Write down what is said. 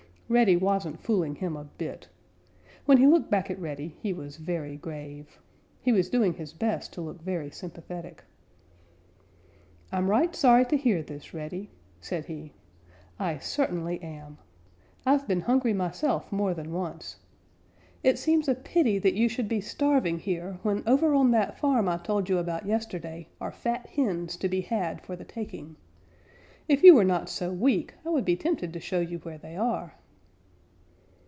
Reddy wasn't fooling him a bit. When he looked back at Reddy he was very grave. He was doing his best to look very sympathetic. "I'm right sorry to hear this, Reddy," said he. "I certainly am. I've been hungry myself more than once. It seems a pity that you should be starving here when over on that farm I told you about yesterday are fat hens to be had for the taking. If you were not so weak, I would be tempted to show you where they are."